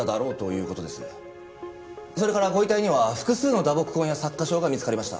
それからご遺体には複数の打撲痕や擦過傷が見つかりました。